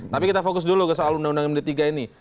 tapi kita fokus dulu ke soal undang undang md tiga ini